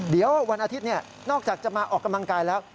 เดี๋ยววันอาทิตย์นอกจากจะมาออกกำลังกายแล้ว